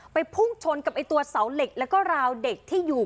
พุ่งชนกับตัวเสาเหล็กแล้วก็ราวเด็กที่อยู่